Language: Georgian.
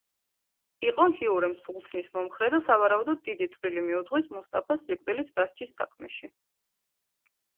იყო ჰიურემ სულთნის მომხრე და სავარაუდოდ დიდი წვლილი მიუძღვის მუსტაფას სიკვდილით დასჯის საქმეში.